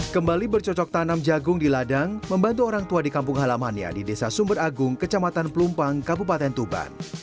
kembali bercocok tanam jagung di ladang membantu orang tua di kampung halamannya di desa sumber agung kecamatan pelumpang kabupaten tuban